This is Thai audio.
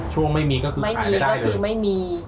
ช่วงไม่มีก็คือขายไม่ได้เลยไม่มีก็คือไม่มี